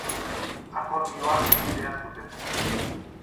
Akordioa egin behar zuten.